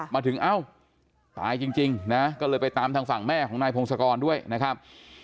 มาถึงเอ้าตายจริงนะก็เลยไปตามทางฝั่งแม่ของนายพงศกรด้วยนะครับ